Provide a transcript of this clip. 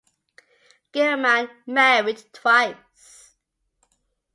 Gilman married twice.